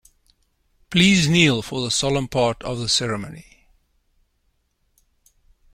Please kneel for the solemn part of the ceremony.